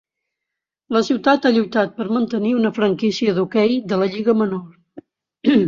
La ciutat ha lluitat per mantenir una franquícia de hockey de la lliga menor.